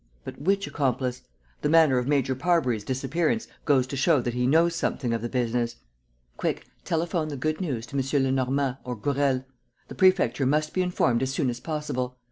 But which accomplice? The manner of Major Parbury's disappearance goes to show that he knows something of the business. Quick, telephone the good news to M. Lenormand or Gourel. The Prefecture must be informed as soon as possible.